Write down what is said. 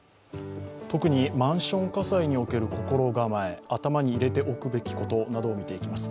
特にマンション火災における心構え、頭に入れておくべきことなどを見ていきます。